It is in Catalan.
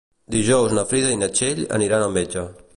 Dijous na Frida i na Txell aniran al metge.